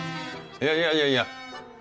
いやいやいやいや。